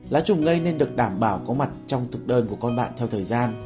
lá trùng gây nên được đảm bảo có mặt trong thực đơn của con bạn theo thời gian